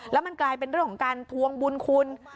แล้วมันกลายเป็นเรื่องของการทวงบุญคุณ